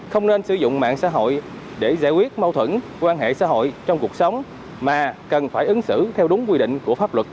không nên sử dụng mạng xã hội để giải quyết mâu thuẫn quan hệ xã hội trong cuộc sống mà cần phải ứng xử theo đúng quy định của pháp luật